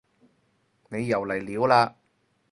你又嚟料嘞